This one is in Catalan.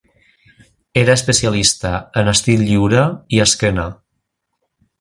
Era especialista en estil lliure i esquena.